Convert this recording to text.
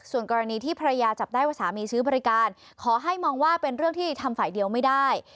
ส่วนกรณีที่ภรรยาจับได้ว่าสามีซื้อบริการขอให้มองว่าเป็นเรื่องที่ทำฝ่ายเดียวไม่ได้